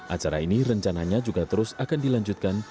acara ini rencananya juga terus akan dilanjutkan